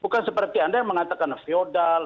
bukan seperti anda yang mengatakan feodal